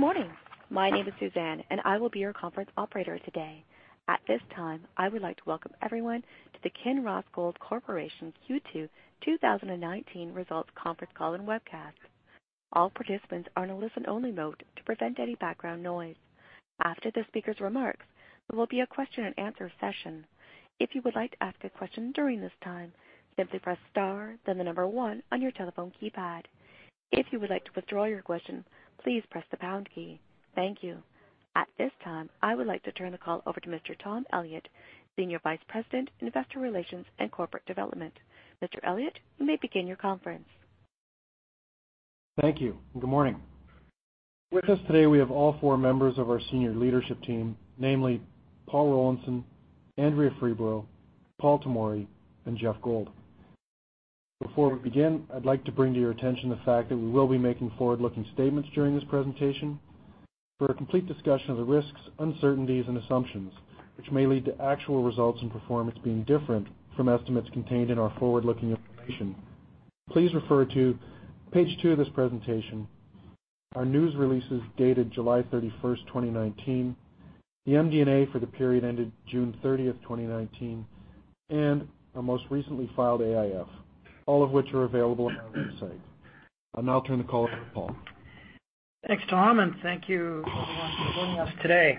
Good morning. My name is Suzanne, and I will be your conference operator today. At this time, I would like to welcome everyone to the Kinross Gold Corporation Q2 2019 Results Conference Call and Webcast. All participants are in a listen-only mode to prevent any background noise. After the speaker's remarks, there will be a question and answer session. If you would like to ask a question during this time, simply press star then the number one on your telephone keypad. If you would like to withdraw your question, please press the pound key. Thank you. At this time, I would like to turn the call over to Mr. Tom Elliott, Senior Vice President, Investor Relations and Corporate Development. Mr. Elliott, you may begin your conference. Thank you. Good morning. With us today, we have all four members of our senior leadership team, namely Paul Rollinson, Andrea Freeborough, Paul Tomory, and Geoff Gold. Before we begin, I'd like to bring to your attention the fact that we will be making forward-looking statements during this presentation. For a complete discussion of the risks, uncertainties, and assumptions which may lead to actual results and performance being different from estimates contained in our forward-looking information, please refer to page two of this presentation, our news releases dated July 31, 2019, the MD&A for the period ended June 30, 2019, and our most recently filed AIF, all of which are available on our website. I'll now turn the call over to Paul. Thanks, Tom. Thank you everyone for joining us today.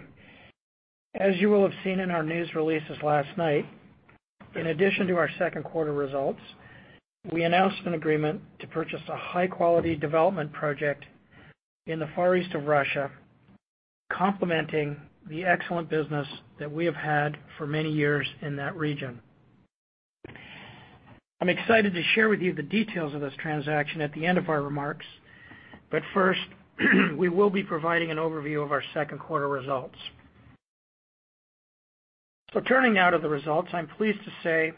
As you will have seen in our news releases last night, in addition to our second quarter results, we announced an agreement to purchase a high-quality development project in the far east of Russia, complementing the excellent business that we have had for many years in that region. I'm excited to share with you the details of this transaction at the end of our remarks. First, we will be providing an overview of our second quarter results. Turning now to the results, I'm pleased to say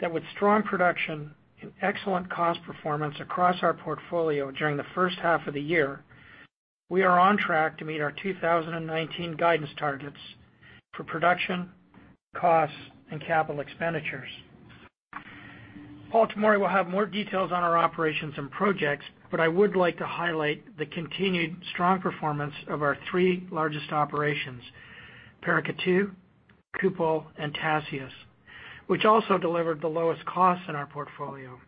that with strong production and excellent cost performance across our portfolio during the first half of the year, we are on track to meet our 2019 guidance targets for production, costs, and capital expenditures. Paul Tomory will have more details on our operations and projects, but I would like to highlight the continued strong performance of our three largest operations, Paracatu, Kupol, and Tasiast, which also delivered the lowest costs in our portfolio.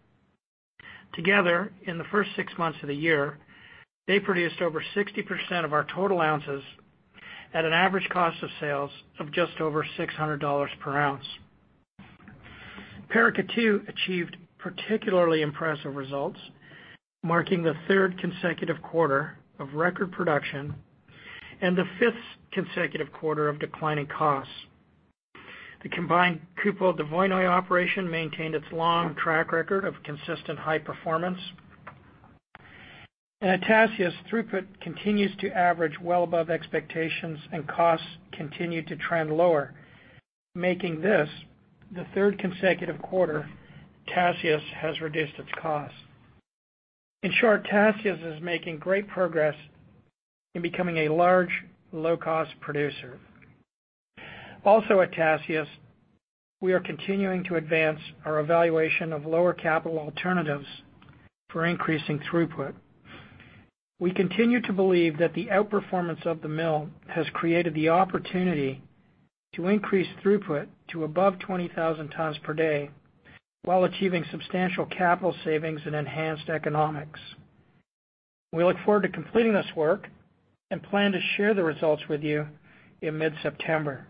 Together, in the first six months of the year, they produced over 60% of our total ounces at an average cost of sales of just over $600 per ounce. Paracatu achieved particularly impressive results, marking the third consecutive quarter of record production and the fifth consecutive quarter of declining costs. The combined Kupol-Dvoinoye operation maintained its long track record of consistent high performance. At Tasiast, throughput continues to average well above expectations, and costs continue to trend lower, making this the third consecutive quarter Tasiast has reduced its cost. In short, Tasiast is making great progress in becoming a large, low-cost producer. At Tasiast, we are continuing to advance our evaluation of lower capital alternatives for increasing throughput. We continue to believe that the outperformance of the mill has created the opportunity to increase throughput to above 20,000 tons per day while achieving substantial capital savings and enhanced economics. We look forward to completing this work and plan to share the results with you in mid-September.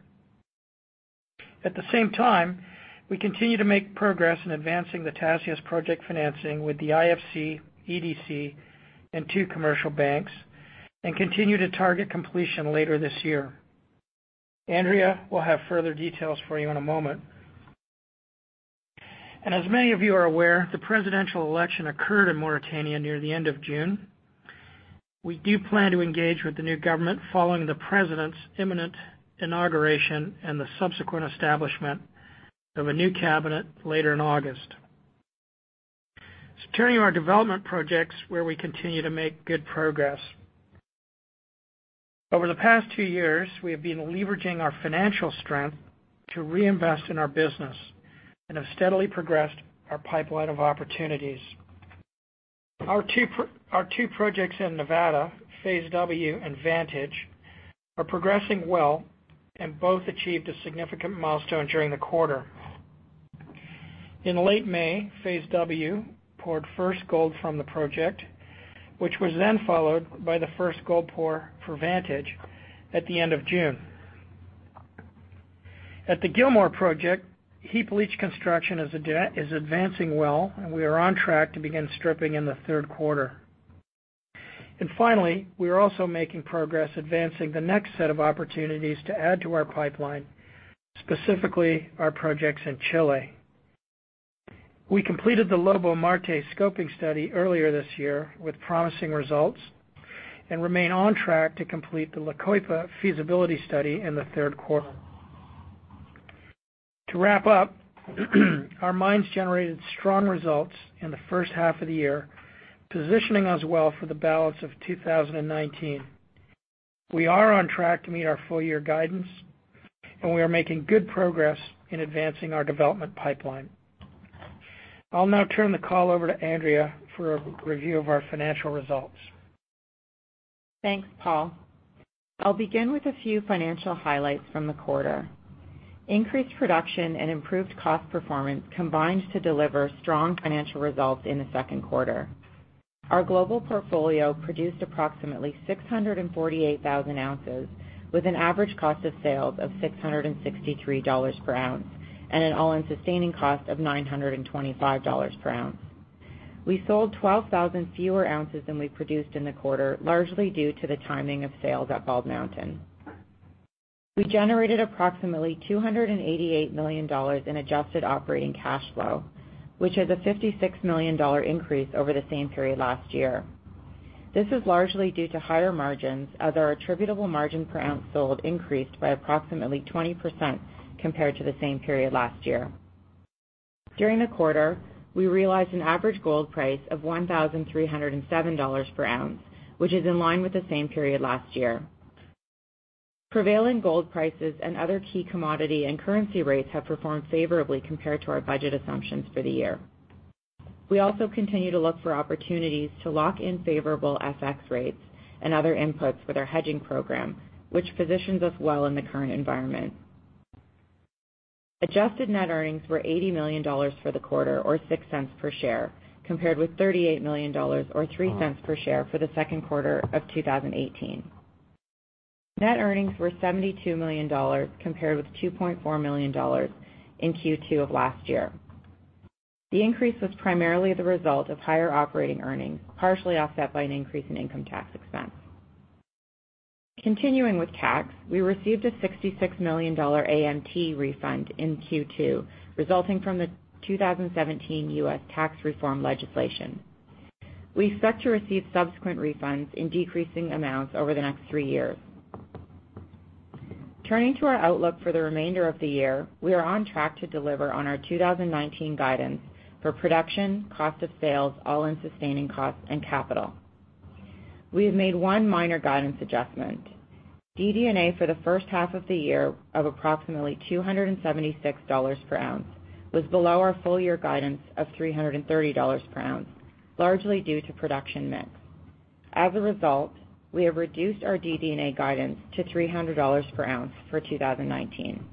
At the same time, we continue to make progress in advancing the Tasiast project financing with the IFC, EDC, and two commercial banks, and continue to target completion later this year. Andrea will have further details for you in a moment. As many of you are aware, the presidential election occurred in Mauritania near the end of June. We do plan to engage with the new government following the president's imminent inauguration and the subsequent establishment of a new cabinet later in August. Turning to our development projects, where we continue to make good progress. Over the past two years, we have been leveraging our financial strength to reinvest in our business and have steadily progressed our pipeline of opportunities. Our two projects in Nevada, Phase W and Vantage, are progressing well, and both achieved a significant milestone during the quarter. In late May, Phase W poured first gold from the project, which was then followed by the first gold pour for Vantage at the end of June. At the Gilmore project, heap leach construction is advancing well, and we are on track to begin stripping in the third quarter. Finally, we are also making progress advancing the next set of opportunities to add to our pipeline, specifically our projects in Chile. We completed the Lobo-Marte scoping study earlier this year with promising results and remain on track to complete the La Coipa feasibility study in the third quarter. To wrap up, our mines generated strong results in the first half of the year, positioning us well for the balance of 2019. We are on track to meet our full-year guidance, and we are making good progress in advancing our development pipeline. I'll now turn the call over to Andrea for a review of our financial results. Thanks, Paul. I'll begin with a few financial highlights from the quarter. Increased production and improved cost performance combined to deliver strong financial results in the second quarter. Our global portfolio produced approximately 648,000 ounces with an average cost of sales of $663 per ounce and an all-in sustaining cost of $925 per ounce. We sold 12,000 fewer ounces than we produced in the quarter, largely due to the timing of sales at Bald Mountain. We generated approximately $288 million in adjusted operating cash flow, which is a $56 million increase over the same period last year. This is largely due to higher margins as our attributable margin per ounce sold increased by approximately 20% compared to the same period last year. During the quarter, we realized an average gold price of $1,307 per ounce, which is in line with the same period last year. Prevailing gold prices and other key commodity and currency rates have performed favorably compared to our budget assumptions for the year. We also continue to look for opportunities to lock in favorable FX rates and other inputs with our hedging program, which positions us well in the current environment. adjusted net earnings were $80 million for the quarter, or $0.06 per share, compared with $38 million or $0.03 per share for the second quarter of 2018. Net earnings were $72 million compared with $2.4 million in Q2 of last year. The increase was primarily the result of higher operating earnings, partially offset by an increase in income tax expense. Continuing with tax, we received a $66 million AMT refund in Q2 resulting from the 2017 U.S. tax reform legislation. We expect to receive subsequent refunds in decreasing amounts over the next three years. Turning to our outlook for the remainder of the year, we are on track to deliver on our 2019 guidance for production, cost of sales, all-in sustaining costs, and capital. We have made one minor guidance adjustment. DD&A for the first half of the year of approximately $276 per ounce was below our full year guidance of $330 per ounce, largely due to production mix. As a result, we have reduced our DD&A guidance to $300 per ounce for 2019.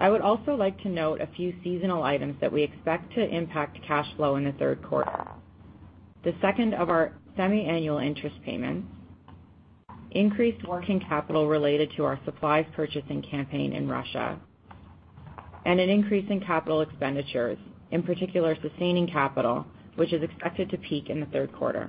I would also like to note a few seasonal items that we expect to impact cash flow in the third quarter. The second of our semiannual interest payments, increased working capital related to our supplies purchasing campaign in Russia, and an increase in capital expenditures, in particular sustaining capital, which is expected to peak in the third quarter.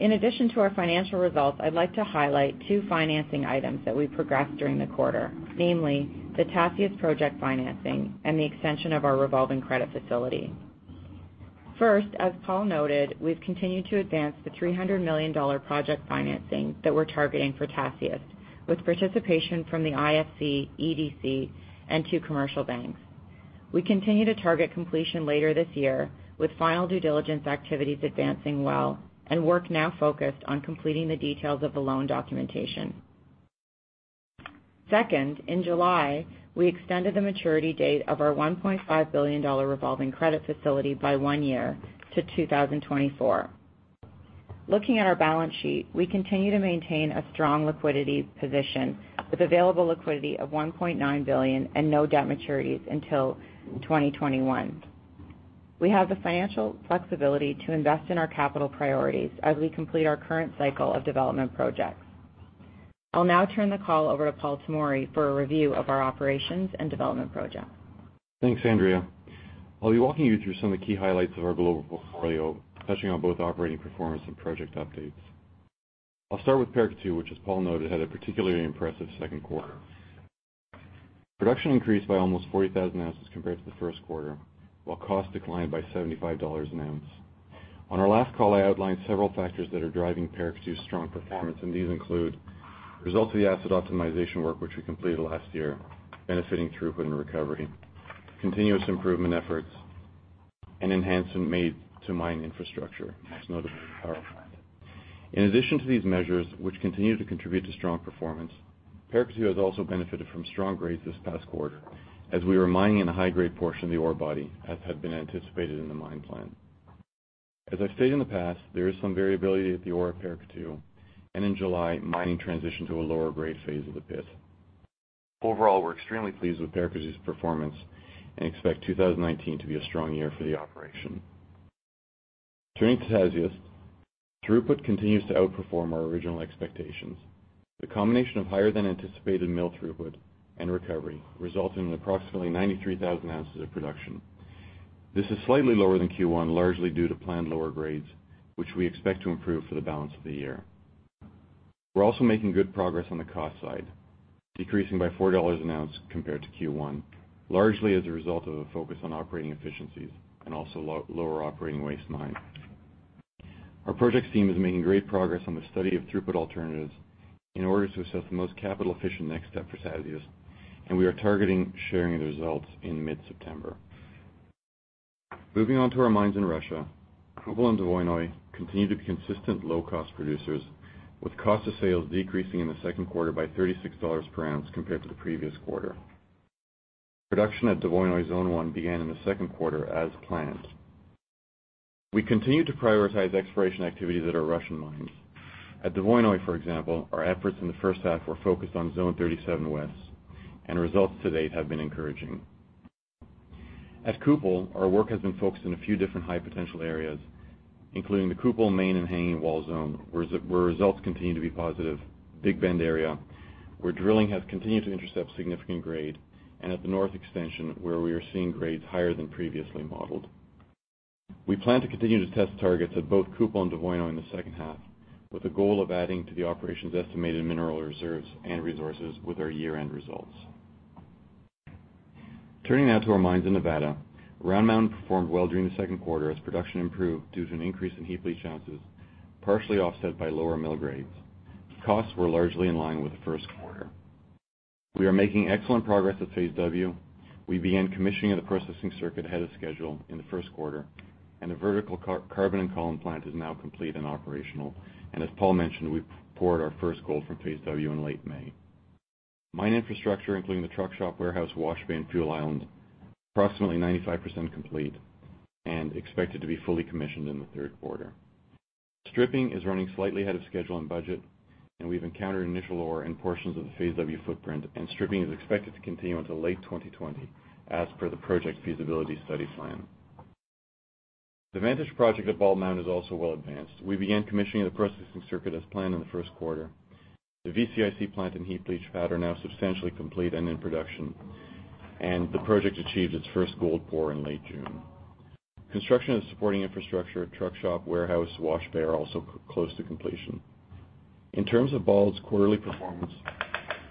In addition to our financial results, I'd like to highlight two financing items that we progressed during the quarter, namely the Tasiast project financing and the extension of our revolving credit facility. First, as Paul noted, we've continued to advance the $300 million project financing that we're targeting for Tasiast with participation from the IFC, EDC, and two commercial banks. We continue to target completion later this year with final due diligence activities advancing well and work now focused on completing the details of the loan documentation. Second, in July, we extended the maturity date of our $1.5 billion revolving credit facility by one year to 2024. Looking at our balance sheet, we continue to maintain a strong liquidity position with available liquidity of $1.9 billion and no debt maturities until 2021. We have the financial flexibility to invest in our capital priorities as we complete our current cycle of development projects. I'll now turn the call over to Paul Tomory for a review of our operations and development projects. Thanks, Andrea. I'll be walking you through some of the key highlights of our global portfolio, touching on both operating performance and project updates. I'll start with Paracatu, which, as Paul noted, had a particularly impressive second quarter. Production increased by almost 40,000 ounces compared to the first quarter, while cost declined by $75 an ounce. On our last call, I outlined several factors that are driving Paracatu's strong performance, and these include results of the asset optimization work, which we completed last year, benefiting throughput and recovery, continuous improvement efforts, and enhancements made to mine infrastructure, most notably power plant. In addition to these measures, which continue to contribute to strong performance, Paracatu has also benefited from strong grades this past quarter as we were mining in a high-grade portion of the ore body, as had been anticipated in the mine plan. As I've stated in the past, there is some variability at the ore at Paracatu, and in July, mining transitioned to a lower-grade phase of the pit. Overall, we're extremely pleased with Paracatu's performance and expect 2019 to be a strong year for the operation. Turning to Tasiast, throughput continues to outperform our original expectations. The combination of higher-than-anticipated mill throughput and recovery resulted in approximately 93,000 ounces of production. This is slightly lower than Q1, largely due to planned lower grades, which we expect to improve for the balance of the year. We're also making good progress on the cost side, decreasing by $4 an ounce compared to Q1, largely as a result of a focus on operating efficiencies and also lower operating waste mine. Our projects team is making great progress on the study of throughput alternatives in order to assess the most capital-efficient next step for Tasiast, and we are targeting sharing the results in mid-September. Moving on to our mines in Russia, Kupol and Dvoinoye continue to be consistent low-cost producers with cost of sales decreasing in the second quarter by $36 per ounce compared to the previous quarter. Production at Dvoinoye Zone 1 began in the second quarter as planned. We continue to prioritize exploration activities at our Russian mines. At Dvoinoye, for example, our efforts in the first half were focused on Zone 37 West, and results to date have been encouraging. At Kupol, our work has been focused in a few different high potential areas, including the Kupol Main and Hanging Wall Zone, where results continue to be positive, Big Bend area, where drilling has continued to intercept significant grade, and at the North Extension, where we are seeing grades higher than previously modeled. We plan to continue to test targets at both Kupol and Dvoinoye in the second half, with the goal of adding to the operations' estimated mineral reserves and resources with our year-end results. Turning now to our mines in Nevada, Round Mountain performed well during the second quarter as production improved due to an increase in heap leach ounces, partially offset by lower mill grades. Costs were largely in line with the first quarter. We are making excellent progress at Phase W. We began commissioning of the processing circuit ahead of schedule in the first quarter, and the vertical carbon-in-column plant is now complete and operational. As Paul mentioned, we poured our first gold from Phase W in late May. Mine infrastructure, including the truck shop, warehouse, wash bay, and fuel island, approximately 95% complete and expected to be fully commissioned in the third quarter. Stripping is running slightly ahead of schedule and budget, and we've encountered initial ore in portions of the Phase W footprint, and stripping is expected to continue until late 2020, as per the project feasibility study plan. The Vantage project at Bald Mountain is also well advanced. We began commissioning the processing circuit as planned in the first quarter. The VCIC plant and heap leach pad are now substantially complete and in production. The project achieved its first gold pour in late June. Construction of supporting infrastructure, truck shop, warehouse, wash bay, are also close to completion. In terms of Fort Knox's quarterly performance,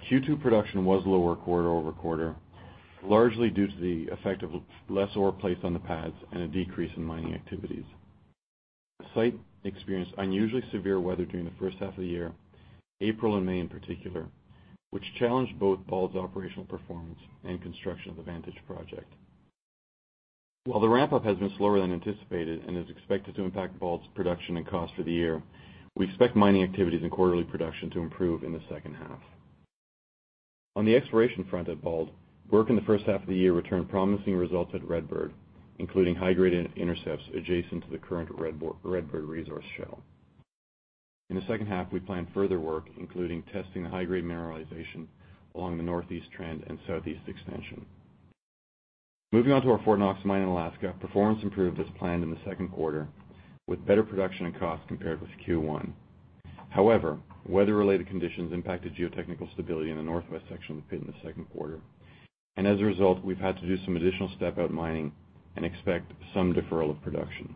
Q2 production was lower quarter-over-quarter, largely due to the effect of less ore placed on the pads and a decrease in mining activities. The site experienced unusually severe weather during the first half of the year, April and May in particular, which challenged both Fort Knox's operational performance and construction of the Vantage project. While the ramp-up has been slower than anticipated and is expected to impact Fort Knox's production and cost for the year, we expect mining activities and quarterly production to improve in the second half. On the exploration front at Fort Knox, work in the first half of the year returned promising results at Redbird, including high-grade intercepts adjacent to the current Redbird resource shell. In the second half, we plan further work, including testing the high-grade mineralization along the northeast trend and southeast expansion. Moving on to our Fort Knox mine in Alaska, performance improved as planned in the second quarter with better production and cost compared with Q1. Weather-related conditions impacted geotechnical stability in the northwest section of the pit in the second quarter. As a result, we've had to do some additional step-out mining and expect some deferral of production.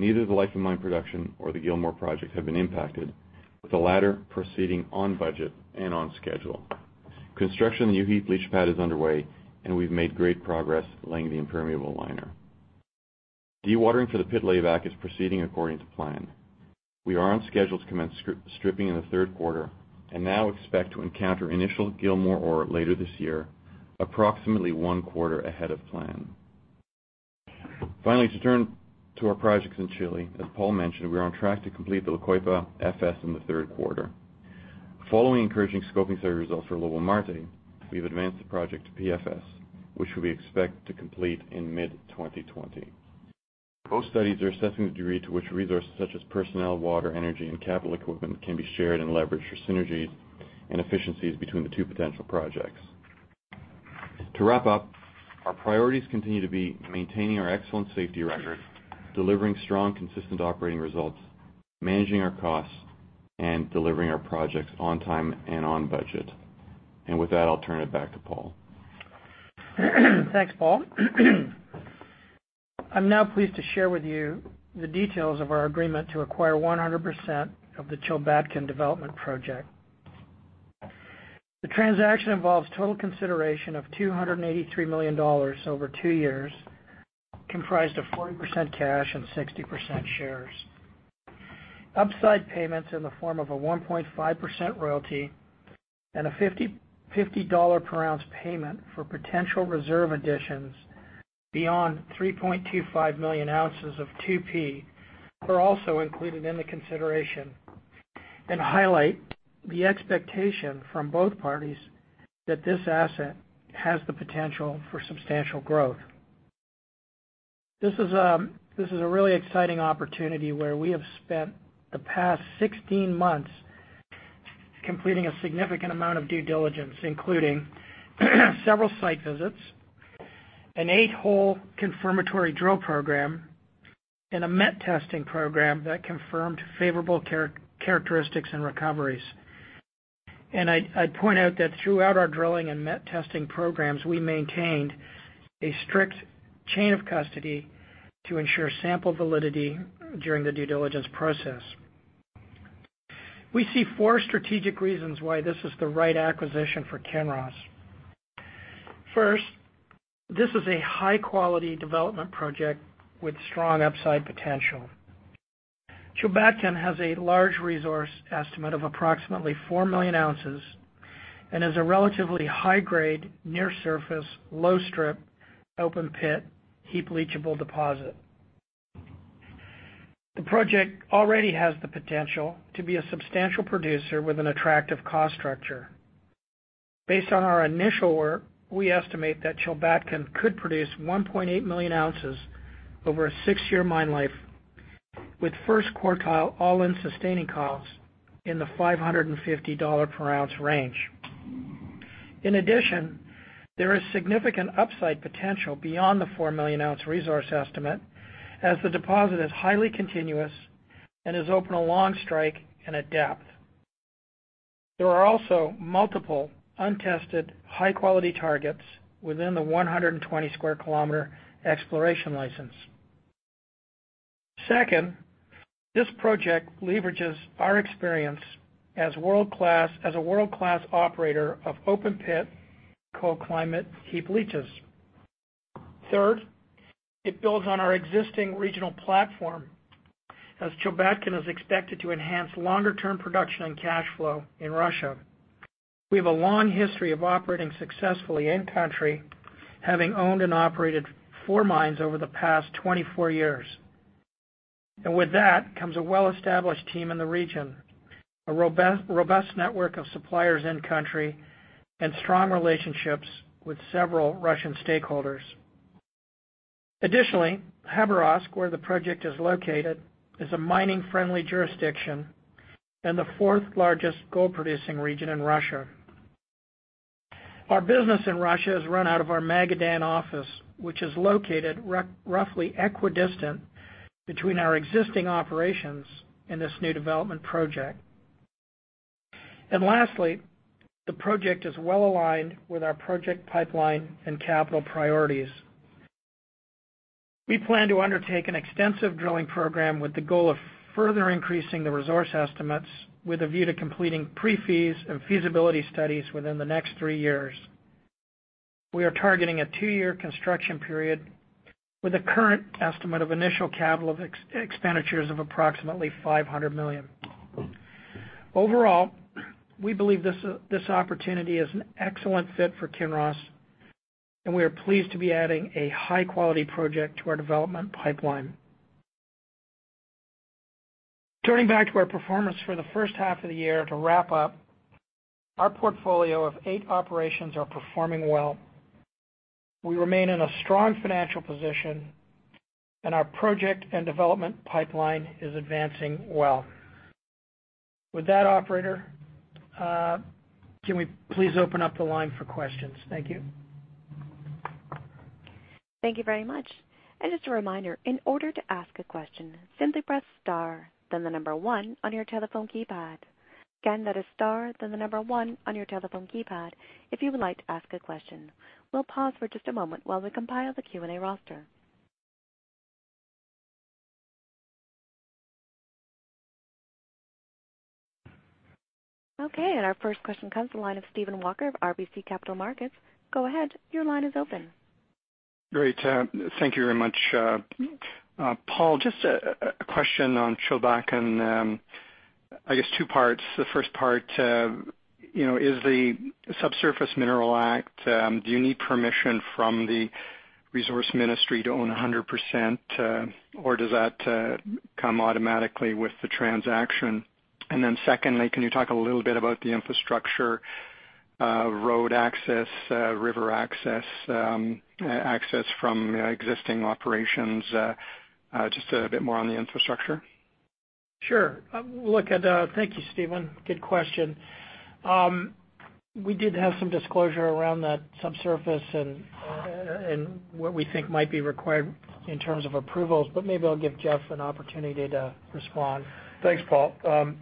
Neither the life of mine production or the Gilmore project have been impacted, with the latter proceeding on budget and on schedule. Construction of the new heap leach pad is underway and we've made great progress laying the impermeable liner. Dewatering for the pit layback is proceeding according to plan. We are on schedule to commence stripping in the third quarter and now expect to encounter initial Gilmore ore later this year, approximately one quarter ahead of plan. To turn to our projects in Chile, as Paul mentioned, we're on track to complete the La Coipa FS in the third quarter. Following encouraging scoping study results for Lobo-Marte, we've advanced the project to PFS, which we expect to complete in mid-2020. Both studies are assessing the degree to which resources such as personnel, water, energy, and capital equipment can be shared and leveraged for synergies and efficiencies between the two potential projects. To wrap up, our priorities continue to be maintaining our excellent safety record, delivering strong, consistent operating results, managing our costs, and delivering our projects on time and on budget. With that, I'll turn it back to Paul. Thanks, Paul. I'm now pleased to share with you the details of our agreement to acquire 100% of the Chulbatkan development project. The transaction involves total consideration of $283 million over two years, comprised of 40% cash and 60% shares. Upside payments in the form of a 1.5% royalty and a $50 per ounce payment for potential reserve additions beyond 3.25 million ounces of 2P are also included in the consideration and highlight the expectation from both parties that this asset has the potential for substantial growth. This is a really exciting opportunity where we have spent the past 16 months completing a significant amount of due diligence, including several site visits, an eight-hole confirmatory drill program, and a met testing program that confirmed favorable characteristics and recoveries. I'd point out that throughout our drilling and met testing programs, we maintained a strict chain of custody to ensure sample validity during the due diligence process. We see four strategic reasons why this is the right acquisition for Kinross. First, this is a high-quality development project with strong upside potential. Chulbatkan has a large resource estimate of approximately 4 million ounces and has a relatively high grade, near surface, low strip, open pit, heap leachable deposit. The project already has the potential to be a substantial producer with an attractive cost structure. Based on our initial work, we estimate that Chulbatkan could produce 1.8 million ounces over a 6-year mine life with first quartile all-in sustaining costs in the $550 per ounce range. In addition, there is significant upside potential beyond the 4 million ounce resource estimate as the deposit is highly continuous and is open along strike and at depth. There are also multiple untested high-quality targets within the 120 sq km exploration license. Second, this project leverages our experience as a world-class operator of open pit cold climate heap leaches. Third, it builds on our existing regional platform as Chulbatkan is expected to enhance longer term production and cash flow in Russia. We have a long history of operating successfully in country, having owned and operated four mines over the past 24 years. With that comes a well-established team in the region, a robust network of suppliers in country, and strong relationships with several Russian stakeholders. Additionally, Khabarovsk, where the project is located, is a mining-friendly jurisdiction and the fourth largest gold producing region in Russia. Our business in Russia is run out of our Magadan office, which is located roughly equidistant between our existing operations and this new development project. Lastly, the project is well aligned with our project pipeline and capital priorities. We plan to undertake an extensive drilling program with the goal of further increasing the resource estimates with a view to completing pre-feas and feasibility studies within the next three years. We are targeting a two-year construction period with a current estimate of initial capital expenditures of approximately $500 million. Overall, we believe this opportunity is an excellent fit for Kinross, and we are pleased to be adding a high-quality project to our development pipeline. Turning back to our performance for the first half of the year to wrap up, our portfolio of eight operations are performing well. We remain in a strong financial position, and our project and development pipeline is advancing well. With that, operator, can we please open up the line for questions? Thank you. Thank you very much. Just a reminder, in order to ask a question, simply press star, then the number one on your telephone keypad. Again, that is star, then the number one on your telephone keypad if you would like to ask a question. We'll pause for just a moment while we compile the Q&A roster. Okay. Our first question comes to the line of Stephen Walker of RBC Capital Markets. Go ahead. Your line is open. Great. Thank you very much. Paul, just a question on Chulbatkan, I guess two parts. The first part, is the Law on Subsoil, do you need permission from the resource ministry to own 100%, or does that come automatically with the transaction? Secondly, can you talk a little bit about the infrastructure, road access, river access from existing operations, just a bit more on the infrastructure? Sure. Thank you, Stephen. Good question. We did have some disclosure around that subsurface and what we think might be required in terms of approvals. Maybe I'll give Geoff an opportunity to respond. Thanks, Paul.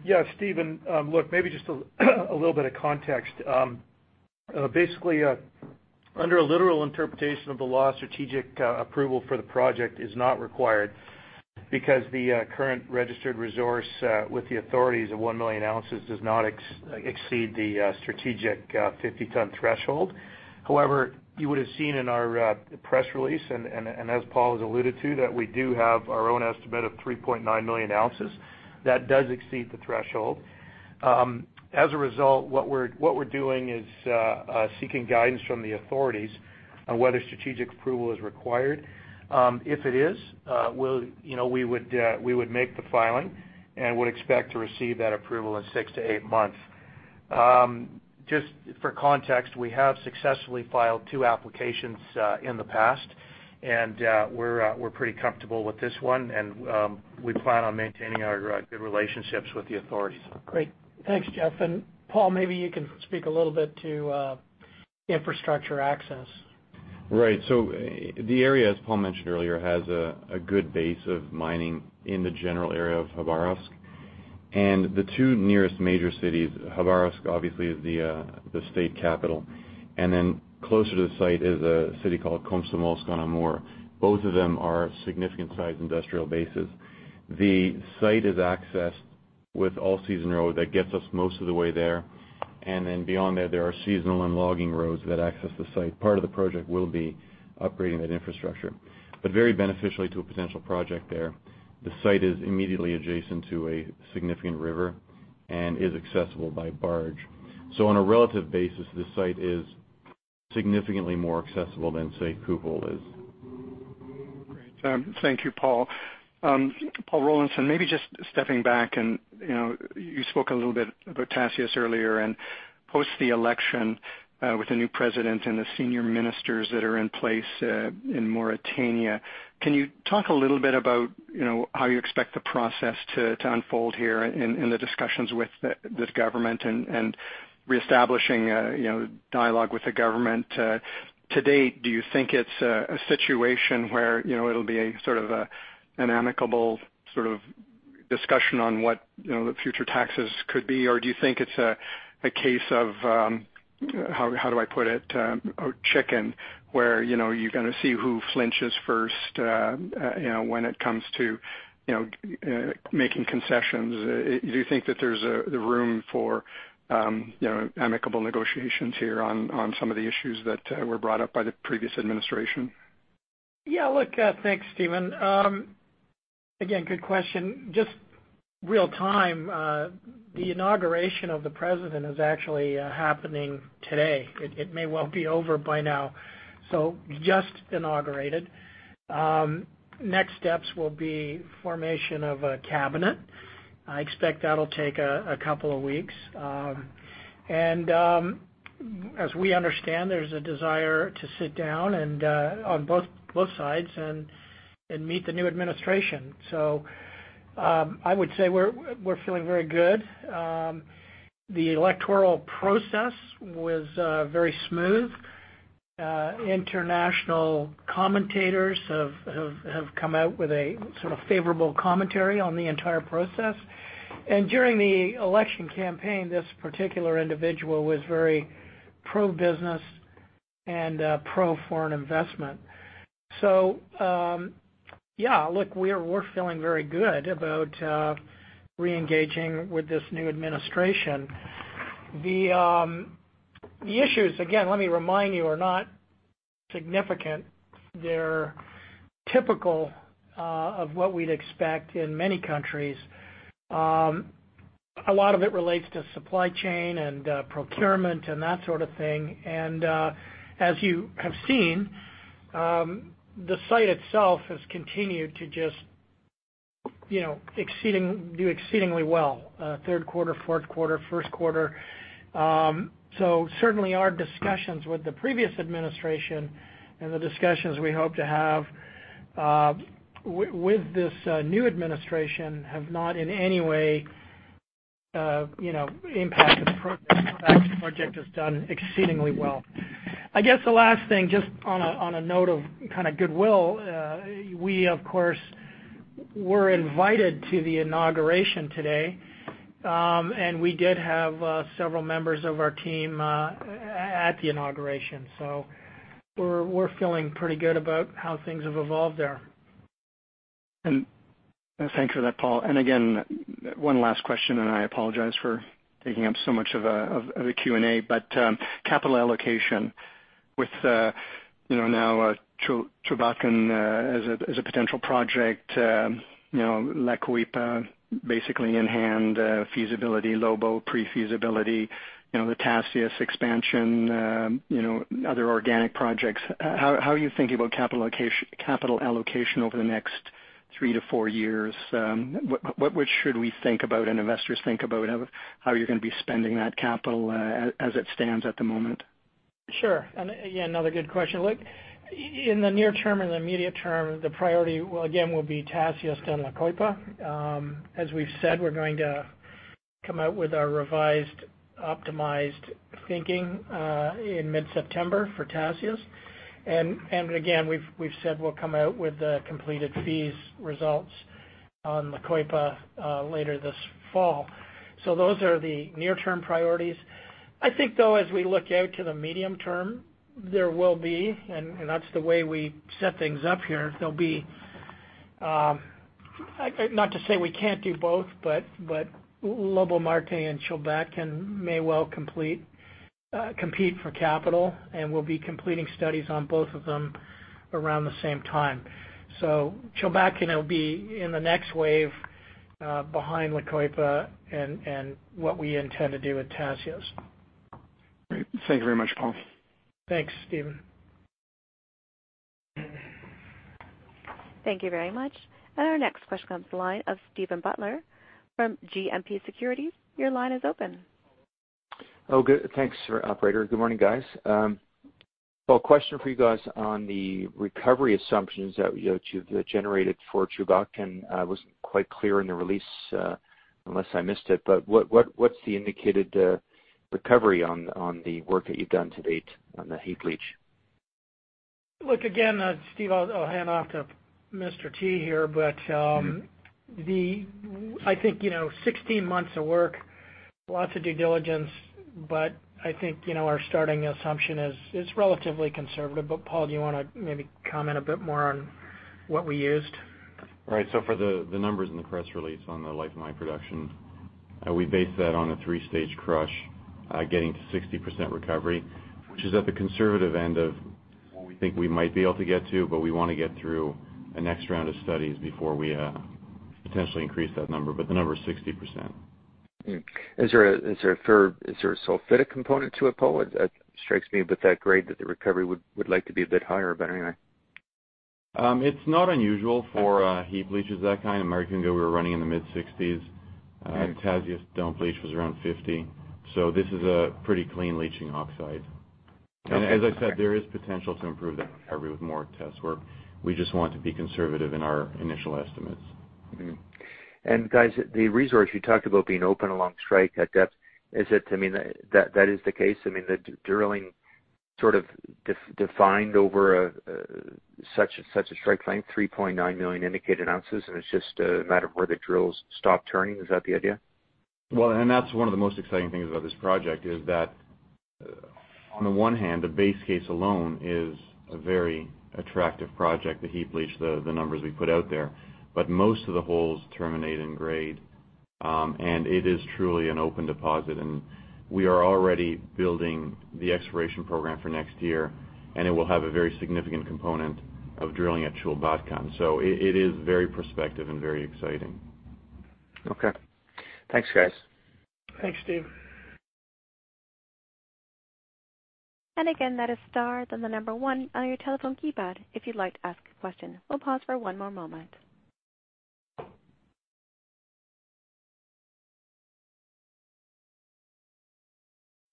Yeah, Stephen, look, maybe just a little bit of context. Basically, under a literal interpretation of the law, strategic approval for the project is not required because the current registered resource with the authorities of 1 million ounces does not exceed the strategic 50-ton threshold. You would have seen in our press release, and as Paul has alluded to, that we do have our own estimate of 3.9 million ounces. That does exceed the threshold. What we're doing is seeking guidance from the authorities on whether strategic approval is required. If it is, we would make the filing and would expect to receive that approval in 6-8 months. Just for context, we have successfully filed 2 applications in the past, and we're pretty comfortable with this one, and we plan on maintaining our good relationships with the authorities. Great. Thanks, Geoff. Paul, maybe you can speak a little bit to infrastructure access. Right. The area, as Paul mentioned earlier, has a good base of mining in the general area of Khabarovsk. The two nearest major cities, Khabarovsk obviously is the state capital, and then closer to the site is a city called Komsomolsk-on-Amur. Both of them are significant sized industrial bases. The site is accessed with all-season road that gets us most of the way there, and then beyond there are seasonal and logging roads that access the site. Part of the project will be upgrading that infrastructure. Very beneficially to a potential project there, the site is immediately adjacent to a significant river and is accessible by barge. On a relative basis, this site is significantly more accessible than, say, Kupol is. Great. Thank you, Paul. Paul Rollinson, maybe just stepping back and, you spoke a little bit about Tasiast earlier, and post the election, with the new president and the senior ministers that are in place in Mauritania. Can you talk a little bit about how you expect the process to unfold here in the discussions with this government and re-establishing dialogue with the government to date? Do you think it's a situation where it'll be a sort of an amicable discussion on what the future taxes could be? Or do you think it's a case of, how do I put it? A chicken where you're going to see who flinches first when it comes to making concessions. Do you think that there's a room for amicable negotiations here on some of the issues that were brought up by the previous administration? Yeah. Look, thanks, Stephen. Again, good question. Just real-time, the inauguration of the president is actually happening today. It may well be over by now. Just inaugurated. Next steps will be formation of a cabinet. As we understand, there's a desire to sit down and, on both sides and meet the new administration. I would say we're feeling very good. The electoral process was very smooth. International commentators have come out with a sort of favorable commentary on the entire process. During the election campaign, this particular individual was very pro-business and pro-foreign investment. Yeah, look, we're feeling very good about re-engaging with this new administration. The issues, again, let me remind you, are not significant. They're typical of what we'd expect in many countries. A lot of it relates to supply chain and procurement and that sort of thing. As you have seen, the site itself has continued to just do exceedingly well, third quarter, fourth quarter, first quarter. Certainly our discussions with the previous administration and the discussions we hope to have with this new administration have not in any way impacted the progress. In fact, the project has done exceedingly well. I guess the last thing, just on a note of kind of goodwill, we of course, were invited to the inauguration today. We did have several members of our team at the inauguration. We're feeling pretty good about how things have evolved there. Thanks for that, Paul. Again, one last question, I apologize for taking up so much of the Q&A, capital allocation with now Chulbatkan as a potential project, La Coipa basically in hand, feasibility, Lobo pre-feasibility, the Tasiast expansion, other organic projects. How are you thinking about capital allocation over the next three to four years? What should we think about and investors think about how you're going to be spending that capital as it stands at the moment? Sure. Again, another good question. Look, in the near term or the immediate term, the priority, again, will be Tasiast and La Coipa. As we've said, we're going to come out with our revised, optimized thinking in mid-September for Tasiast. Again, we've said we'll come out with the completed FS results on La Coipa later this fall. Those are the near-term priorities. I think, though, as we look out to the medium term, there will be, and that's the way we set things up here. Not to say we can't do both, but Lobo-Marte and Chulbatkan may well compete for capital, and we'll be completing studies on both of them around the same time. Chulbatkan will be in the next wave behind La Coipa and what we intend to do with Tasiast. Great. Thank you very much, Paul. Thanks, Stephen. Thank you very much. Our next question comes to the line of Steven Butler from GMP Securities. Your line is open. Good. Thanks, operator. Good morning, guys. Question for you guys on the recovery assumptions that you've generated for Chulbatkan. I wasn't quite clear in the release, unless I missed it, but what's the indicated recovery on the work that you've done to date on the heap leach? Look, again, Steve, I'll hand off to Mr. T. here, but I think 16 months of work, lots of due diligence, but I think our starting assumption is relatively conservative. Paul, do you want to maybe comment a bit more on what we used? Right. For the numbers in the press release on the life of mine production, we base that on a 3-stage crush, getting to 60% recovery, which is at the conservative end of what we think we might be able to get to. We want to get through the next round of studies before we potentially increase that number. The number is 60%. Is there a sulfidic component to it, Paul? It strikes me with that grade that the recovery would like to be a bit higher, but anyway. It's not unusual for heap leaches of that kind. American Eagle we're running in the mid-60s. Tasiast dome leach was around 50. This is a pretty clean leaching oxide. As I said, there is potential to improve that recovery with more test work. We just want to be conservative in our initial estimates. Guys, the resource you talked about being open along strike at depth, is it to mean that is the case? I mean, the drilling sort of defined over such a strike length, 3.9 million indicated ounces, and it's just a matter of where the drills stop turning? Is that the idea? That's one of the most exciting things about this project is that, on the one hand, the base case alone is a very attractive project, the heap leach, the numbers we put out there. Most of the holes terminate in grade, and it is truly an open deposit. We are already building the exploration program for next year, and it will have a very significant component of drilling at Chulbatkan. It is very prospective and very exciting. Okay. Thanks, guys. Thanks, Steve. Again, that is star, then the number one on your telephone keypad if you'd like to ask a question. We'll pause for one more moment.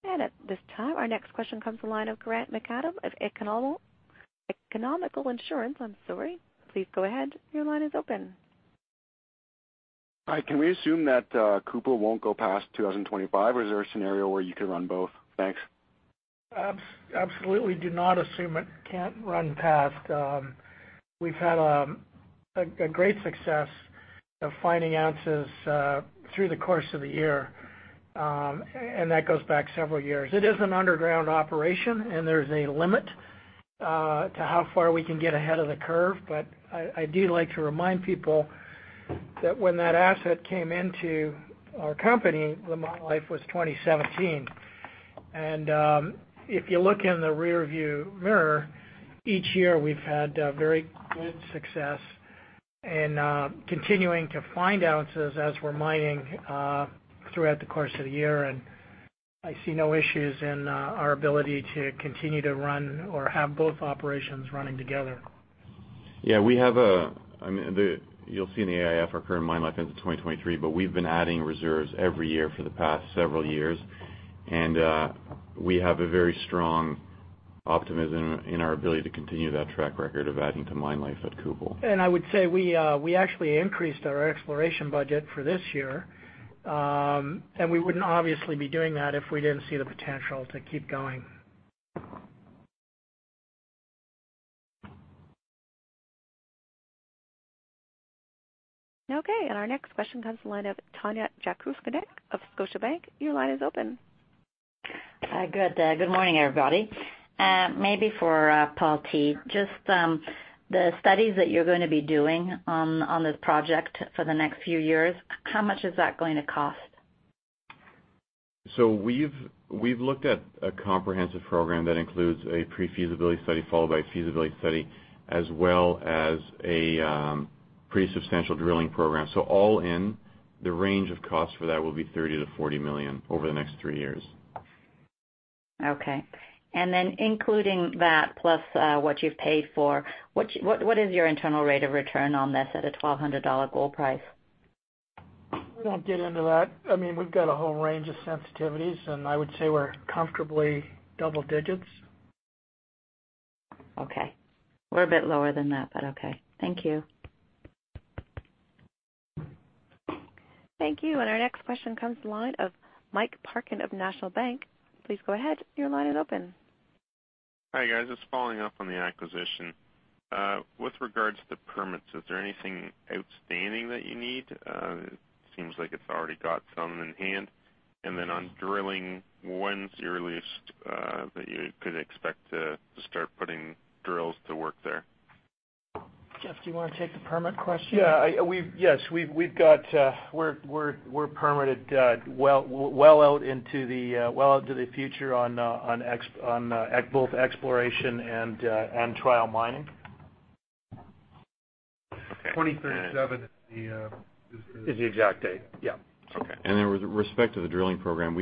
At this time, our next question comes from the line of Grant McAdam of Economical Insurance. I'm sorry. Please go ahead. Your line is open. Hi, can we assume that Kupol won't go past 2025, or is there a scenario where you could run both? Thanks. Absolutely do not assume it can't run past. We've had a great success of finding ounces through the course of the year, and that goes back several years. It is an underground operation, and there's a limit to how far we can get ahead of the curve. I do like to remind people that when that asset came into our company, the mine life was 2017. If you look in the rearview mirror, each year we've had very good success in continuing to find ounces as we're mining throughout the course of the year. I see no issues in our ability to continue to run or have both operations running together. You'll see in the AIF our current mine life ends in 2023, but we've been adding reserves every year for the past several years. We have a very strong optimism in our ability to continue that track record of adding to mine life at Kupol. I would say we actually increased our exploration budget for this year. We wouldn't obviously be doing that if we didn't see the potential to keep going. Okay. Our next question comes the line of Tanya Jakusconek of Scotiabank. Your line is open. Good morning, everybody. Maybe for Paul T., just the studies that you're going to be doing on this project for the next few years, how much is that going to cost? We've looked at a comprehensive program that includes a pre-feasibility study followed by a feasibility study, as well as a pre-substantial drilling program. All in, the range of cost for that will be $30 million-$40 million over the next three years. Okay. Including that plus what you've paid for, what is your internal rate of return on this at a $1,200 gold price? We don't get into that. We've got a whole range of sensitivities, and I would say we're comfortably double digits. Okay. We're a bit lower than that, but okay. Thank you. Thank you. Our next question comes the line of Mike Parkin of National Bank. Please go ahead. Your line is open. Hi, guys. Just following up on the acquisition. With regards to permits, is there anything outstanding that you need? It seems like it's already got some in hand. On drilling, when's the earliest that you could expect to start putting drills to work there? Geoff, do you want to take the permit question? Yeah. We're permitted well out to the future on both exploration and trial mining. Okay. 2037 is the exact date. Yeah. Okay. With respect to the drilling program,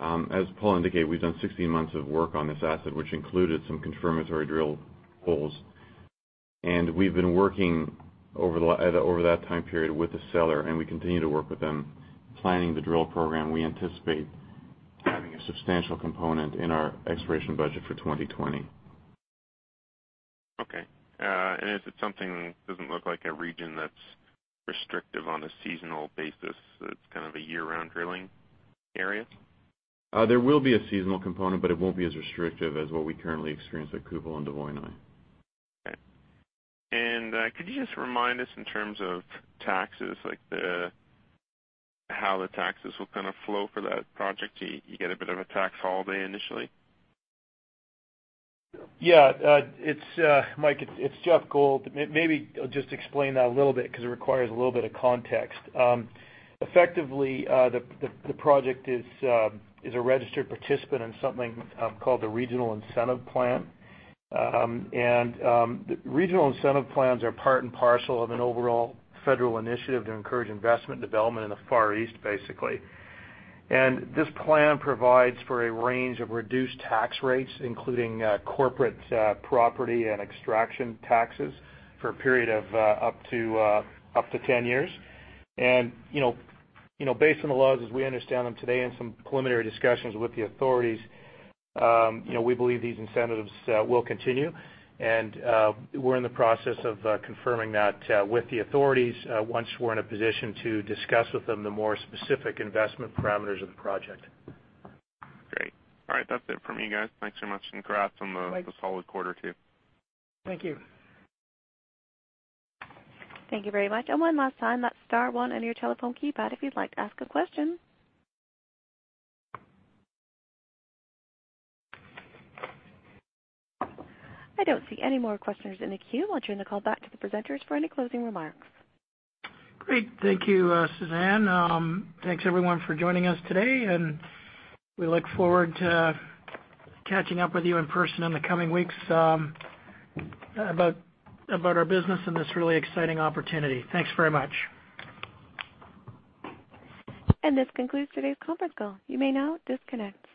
as Paul indicated, we've done 16 months of work on this asset, which included some confirmatory drill holes. We've been working over that time period with the seller, and we continue to work with them planning the drill program. We anticipate having a substantial component in our exploration budget for 2020. Okay. It doesn't look like a region that's restrictive on a seasonal basis. It's kind of a year-round drilling area? There will be a seasonal component, but it won't be as restrictive as what we currently experience at Kupol and Dvoinoye. Could you just remind us in terms of taxes, how the taxes will kind of flow for that project? You get a bit of a tax holiday initially? Yeah. Mike, it's Geoff Gold. Maybe I'll just explain that a little bit because it requires a little bit of context. Effectively, the project is a registered participant in something called the Regional Incentive Plan. Regional Incentive Plans are part and parcel of an overall federal initiative to encourage investment development in the Far East, basically. This plan provides for a range of reduced tax rates, including corporate property and extraction taxes for a period of up to 10 years. Based on the laws as we understand them today and some preliminary discussions with the authorities, we believe these incentives will continue. We're in the process of confirming that with the authorities once we're in a position to discuss with them the more specific investment parameters of the project. Great. All right, that's it from me, guys. Thanks so much, and congrats on the- Thanks solid quarter too. Thank you. Thank you very much. One last time, that star one on your telephone keypad if you'd like to ask a question. I don't see any more questioners in the queue. I'll turn the call back to the presenters for any closing remarks. Great. Thank you, Suzanne. Thanks everyone for joining us today, and we look forward to catching up with you in person in the coming weeks about our business and this really exciting opportunity. Thanks very much. This concludes today's conference call. You may now disconnect.